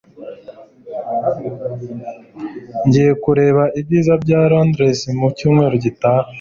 Ngiye kureba ibyiza bya Londres mu cyumweru gitaha.